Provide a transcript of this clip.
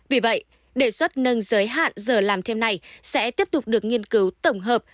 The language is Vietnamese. vì vậy đề xuất nâng giới hạn giờ làm thêm này sẽ tiếp tục được nghiên cứu tổng hợp